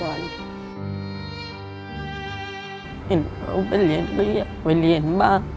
เห็นเขาไปเรียนก็อยากไปเรียนบ้าง